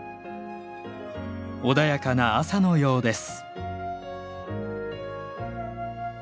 穏やかな朝のようです